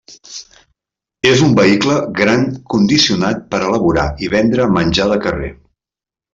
És un vehicle gran condicionat per elaborar i vendre menjar de carrer.